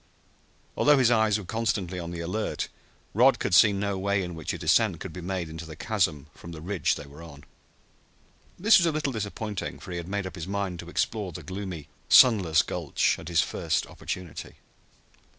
Although his eyes were constantly on the alert, Rod could see no way in which a descent could be made into the chasm from the ridge they were on. This was a little disappointing, for he had made up his mind to explore the gloomy, sunless gulch at his first opportunity.